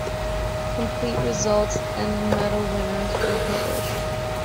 Complete results and medal winners were published.